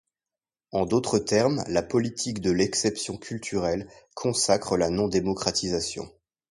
En d'autres termes, la politique de l'exception culturelle consacre la non-démocratisation.